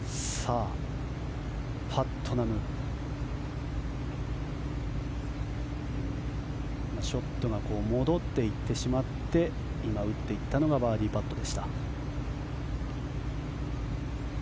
パットナムショットが戻っていってしまって今、打っていったのがバーディーパットでした。